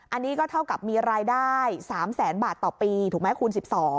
อันนี้ก็เท่ากับมีรายได้๓แสนบาทต่อปีถูกไหมคูณ๑๒